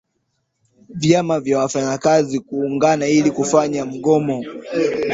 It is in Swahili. vyama vya wafanyakazi kuungana ili kufanya mgomo